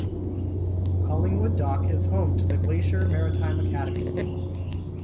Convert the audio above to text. Collingwood dock is home to the Glaciere Maritime Academy.